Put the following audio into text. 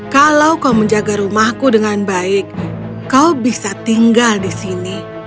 kalau kau menjaga rumahku dengan baik kau bisa tinggal di sini